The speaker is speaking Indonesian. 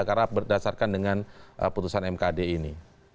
karena berdasarkan dengan putusan mkd ini